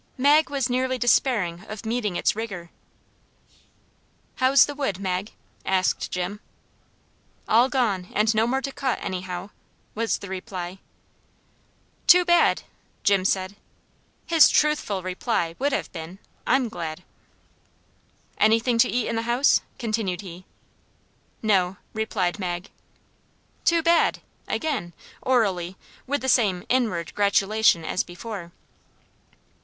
Mag was nearly despairing of meeting its rigor. "How's the wood, Mag?" asked Jim. "All gone; and no more to cut, any how," was the reply. "Too bad!" Jim said. His truthful reply would have been, I'm glad. "Anything to eat in the house?" continued he. "No," replied Mag. "Too bad!" again, orally, with the same INWARD gratulation as before.